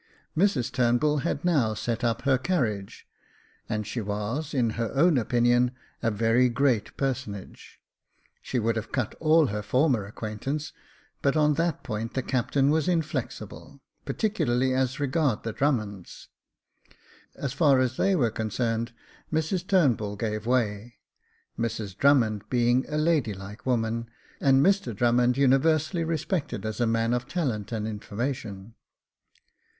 Mrs Turnbull had now set up her carriage, and she was, in her own opinion, a very great personage. She would have cut all her former acquaintance ; but on that point the captain was inflexible, particularly as regarded the Drummonds. As far as they were concerned, Mrs Turnbull gave way, Mrs Drummond being a lady like woman, and Mr Drummond universally respected as a man of talent and information.